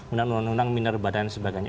undang undang minor badan dan sebagainya